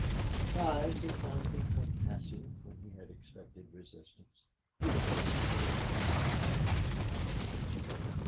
Surprised at finding her passive when he had expected resistance, he began to comb out the tangled tresses.